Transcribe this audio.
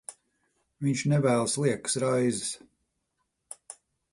Viņš nevēlas liekas raizes.